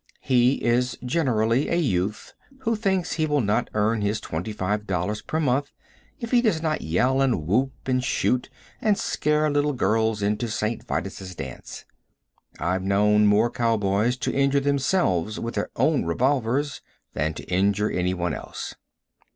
He is generally a youth who thinks he will not earn his twenty five dollars per month if he does not yell, and whoop, and shoot, and scare little girls into St. Vitus's dance. I've known more cow boys to injure themselves with their own revolvers than to injure anyone else.